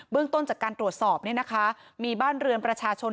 เบื้องต้นจากการตรวจสอบมีบ้านเรือนประชาชน